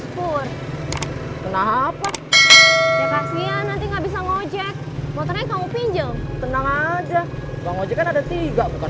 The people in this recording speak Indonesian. kenapa nanti nggak bisa ngejek motornya kamu pinjol tenang aja ada tiga bukan